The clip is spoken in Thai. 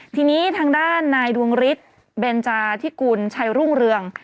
ทีนี้ทางด้านนายดวงฤทธิ์เบนจาธิกุลชัยรุ่งเรือง